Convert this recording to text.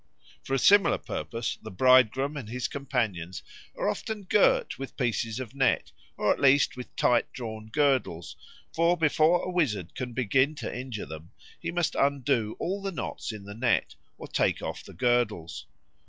For a similar purpose the bridegroom and his companions are often girt with pieces of net, or at least with tight drawn girdles, for before a wizard can begin to injure them he must undo all the knots in the net, or take off the girdles.